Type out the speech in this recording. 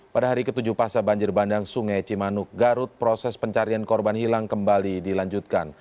pada hari ke tujuh pasca banjir bandang sungai cimanuk garut proses pencarian korban hilang kembali dilanjutkan